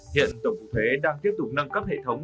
hiện tổng cục thuế đang tiếp tục nâng cấp hệ thống